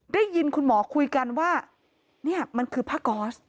ได้ยินคุณหมอคุยกันว่านี่มันคือผ้าก๊อส